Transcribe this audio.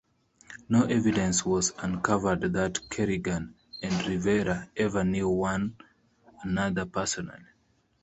No evidence was uncovered that Kerrigan and Rivera ever knew one another personally.